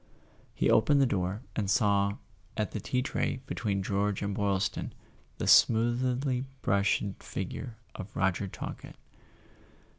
He opened the door, and saw, at the tea tray between George and Boylston, the smoothly brushed figure of Roger Talkett.